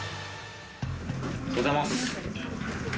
おはようございます。